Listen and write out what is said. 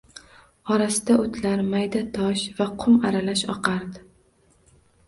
Orasida o`tlar, mayda tosh va qum aralash oqardi